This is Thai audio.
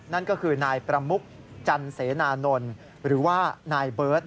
นั่นก็คือนายประมุกจันเสนานนท์หรือว่านายเบิร์ต